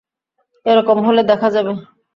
এরকম হলে দেখা যাবে।